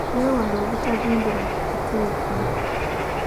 Weewale obutagendera ku kituufu.